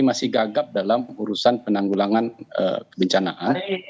masih gagap dalam urusan penanggulangan kebencanaan